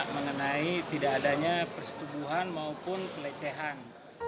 mengenai tidak adanya persetubuhan maupun pelecehan